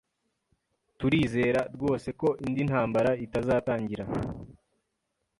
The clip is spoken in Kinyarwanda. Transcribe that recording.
Turizera rwose ko indi ntambara itazatangira.